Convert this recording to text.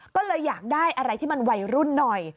ก็เลยอยากได้อะไรที่มันวัยรุ่นหน่อย